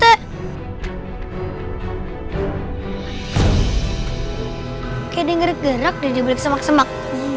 kayaknya dia ngeri gerak dan dia balik semak semak